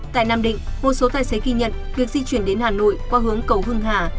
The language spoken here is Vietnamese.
tại nam định một số tài xế ghi nhận việc di chuyển đến hà nội qua hướng cầu hưng hà